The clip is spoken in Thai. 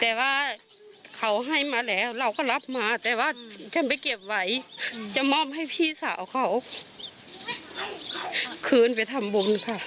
แต่ว่าเขาให้มาแล้วเราก็รับมาแต่ว่าฉันไปเก็บไว้จะมอบให้พี่สาวเขาคืนไปทำบุญค่ะ